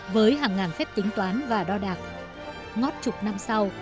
với hàng ngàn phép tính toán và đo đạc ngót chục năm sau